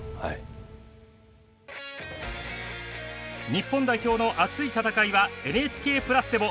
日本代表の熱い戦いはＮＨＫプラスでも。